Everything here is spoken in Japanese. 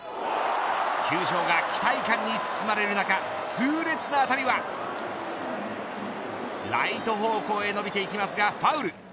球場が期待感に包まれる中痛烈な当たりはライト方向へ延びていきますがファウル。